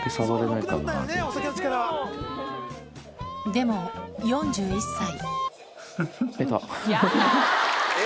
でも、４１歳。